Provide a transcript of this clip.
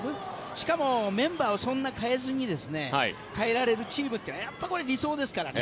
しかもメンバーをそんなに代えずに変えられるチームというのは理想ですからね。